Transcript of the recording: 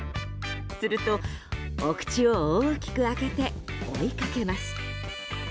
すると、お口を大きく開けて追いかけます。